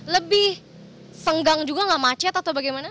lebih senggang juga gak macet atau bagaimana